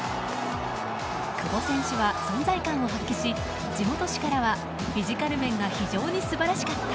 久保選手は存在感を発揮し地元紙からは、フィジカル面が非常に素晴らしかった